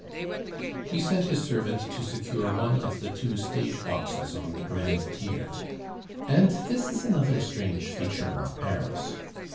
He sent his servant to secure one of the two stage boxes on the grand tier. And this is another strange feature of Paris.